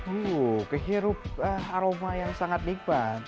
wuh kehirup aroma yang sangat nikmat